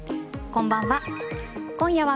こんばんは。